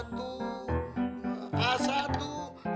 ketika ketika saklar ditutup